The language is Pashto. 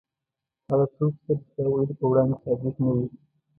هغه څوک چې د رښتیا ویلو په وړاندې صادق نه وي.